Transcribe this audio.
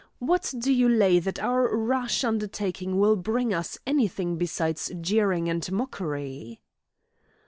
What do you lay that our rash undertaking will bring us any thing besides jeering and mockery?"